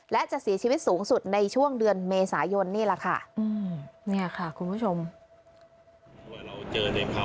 และจะเสียชีวิตสูงสุดในช่วงเดือนเมษายนนี่แหละค่ะคุณผู้ชม